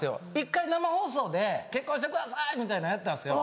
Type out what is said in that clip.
１回生放送で「結婚してください」みたいのやったんですよ。